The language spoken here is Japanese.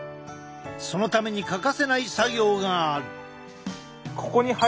そのために欠かせない作業がある。